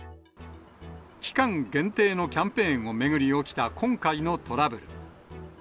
期間限定のキャンペーンを巡り、起きた今回のトラブル。